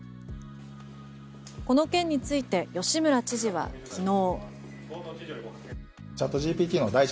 この件について吉村知事は昨日。